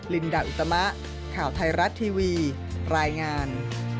ลินดาอุตมะข่าวไทยรัฐทีวีรายงาน